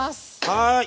はい。